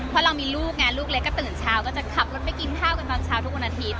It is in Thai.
ก็ลูกลูกเล็กก็เตินเช้าก็จะขับรถไปกินข้าวกันตอนเช้าทุกวันอาทิตย์